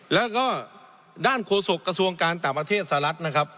แล้วก็ด้านโฆษกระทรวงการต่างประเทศสหรัฐนะครับ